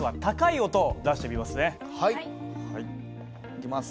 いきます